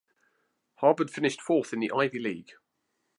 Harvard finished fourth in the Ivy League.